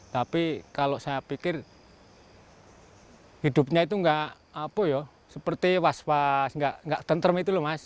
tapi kalau saya pikir hidupnya itu nggak apa ya seperti was was nggak tentrem itu loh mas